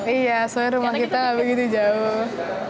iya soalnya rumah kita begitu jauh